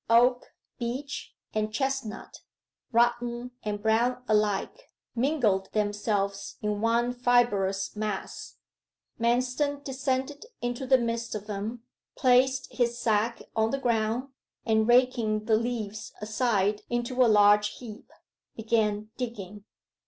Oak, beech, and chestnut, rotten and brown alike, mingled themselves in one fibrous mass. Manston descended into the midst of them, placed his sack on the ground, and raking the leaves aside into a large heap, began digging.